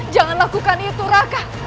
jangan lakukan itu raka